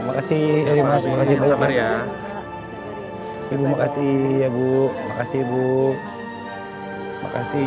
makasih terima kasih banyak ya ibu makasih ya bu makasih bu makasih